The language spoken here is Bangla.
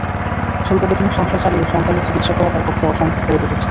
স্বল্প বেতনে সংসার চালিয়ে সন্তানের চিকিৎসা করা তাঁর পক্ষে অসম্ভব হয়ে পড়েছে।